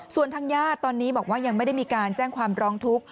ส่วนทางญาติตอนนี้บอกว่ายังไม่ได้มีการแจ้งความร้องทุกข์